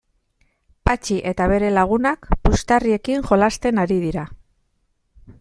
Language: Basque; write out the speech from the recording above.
Patxi eta bere lagunak puxtarriekin jolasten ari dira.